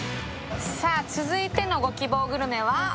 さあ、続いてのご希望グルメは？